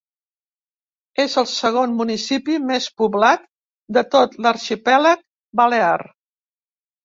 És el segon municipi més poblat de tot l'arxipèlag balear.